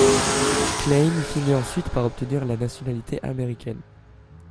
Klein finit ensuite par obtenir la nationalité américaine.